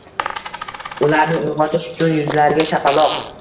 Ularni uyg‘otish uchun yuzlariga shapaloq.